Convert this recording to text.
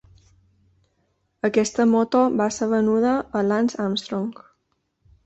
Aquesta moto va ser venuda a Lance Armstrong.